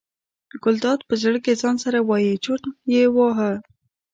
ګلداد په زړه کې ځان سره وایي چورت یې وواهه.